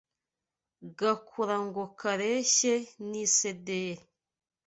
gakura ngo kareshye n’isederi